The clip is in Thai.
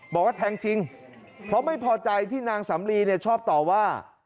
บอกว่าแทงจริงเพราะไม่พอใจที่นางสำลีเนี่ยชอบต่อว่า